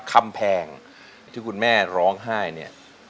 กำแพงที่คุณแม่ร้องไห้เนี่ย